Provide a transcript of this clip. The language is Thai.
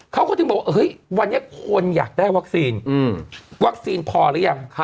เขาก็ถึงบอกว่าเฮ้ยวันนี้คนอยากได้วัคซีนวัคซีนพอหรือยัง